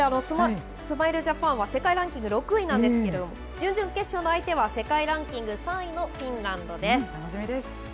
スマイルジャパンは世界ランキング６位なんですけれども、準々決勝の相手は、世界ランキング３位のフィンランドです。